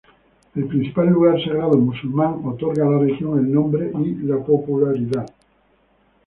El principal lugar sagrado musulmán otorga a la región el nombre y la popularidad.